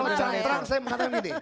kalau cantrang saya mengatakan gini